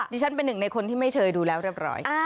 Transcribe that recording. ฉันเป็นหนึ่งในคนที่ไม่เคยดูแล้วเรียบร้อย